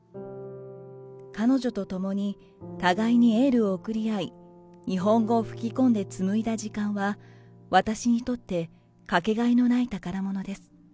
彼女と共に互いにエールを送り合い、日本語を吹き込んで紡いだ時間は、私にとって、掛けがえのない宝物です。